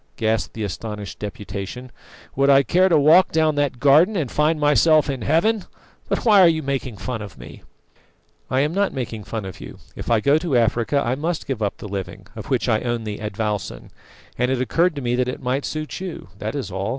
gasped the astonished Deputation. "Would I care to walk down that garden and find myself in Heaven? But why are you making fun of me?" "I am not making fun of you. If I go to Africa I must give up the living, of which I own the advowson, and it occurred to me that it might suit you that is all.